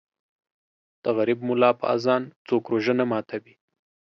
د غریب مولا په اذان څوک روژه نه ماتوي